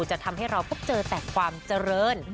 จะทำให้เราพบเจอแต่ความเจริญ